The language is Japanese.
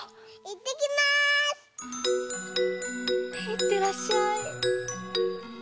いってらっしゃい。